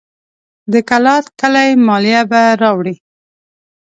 د کلات کلي مالیه به راوړي.